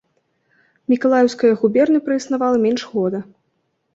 Мікалаеўская губерня праіснавала менш года.